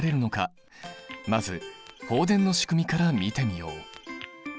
まず放電のしくみから見てみよう。